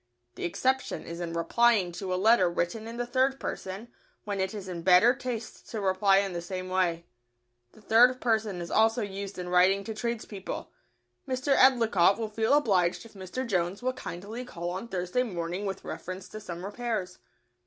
The exception is in replying to a letter written in the third person, when it is in better taste to reply in the same way. The third person is also used in writing to tradespeople: "Mr. Edlicott will feel obliged if Mr. Jones will kindly call on Thursday morning with reference to some repairs."